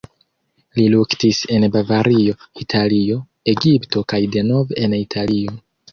Li luktis en Bavario, Italio, Egipto kaj denove en Italio.